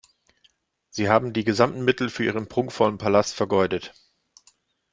Sie haben die gesamten Mittel für Ihren prunkvollen Palast vergeudet.